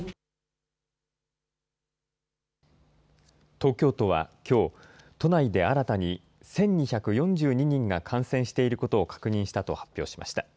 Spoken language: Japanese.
東京都はきょう、都内で新たに１２４２人が感染していることを確認したと発表しました。